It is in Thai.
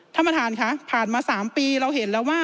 ท่านประธานค่ะผ่านมา๓ปีเราเห็นแล้วว่า